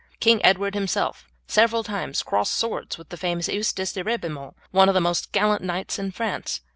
King Edward himself several times crossed swords with the famous Eustace de Ribaumont, one of the most gallant knights in France.